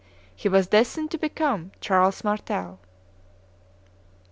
He was destined to become Charles Martel.